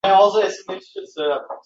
Yoqubov, Koʻhna dunyo